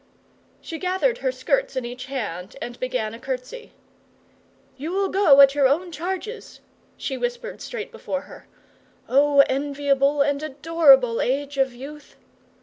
She gathered her skirts in each hand, and began a curtsy. 'You will go at your own charges,' she whispered straight before her. 'Oh, enviable and adorable age of youth!